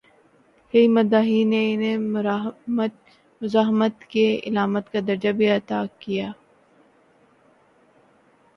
کئی مداحین نے انہیں مزاحمت کی علامت کا درجہ بھی عطا کر دیا۔